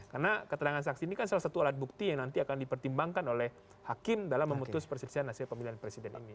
karena keterangan saksi ini kan salah satu alat bukti yang nanti akan dipertimbangkan oleh hakim dalam memutus persisian hasil pemilihan presiden ini